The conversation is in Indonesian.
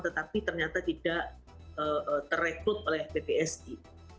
tetapi ternyata tidak terekrut oleh bpsi